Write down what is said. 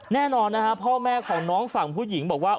แน่นอนนะฮะพ่อแม่ของน้องฝั่งผู้หญิงบอกว่า